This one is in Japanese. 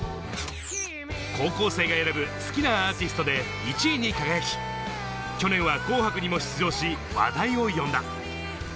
高校生が選ぶ好きなアーティストで１位に輝き、去年は『紅白』にも出場し、話題を呼んだ。